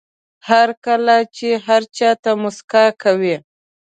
هر کله چې هر چا ته موسکا کوئ.